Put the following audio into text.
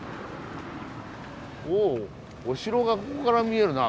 おお城がここから見えるな。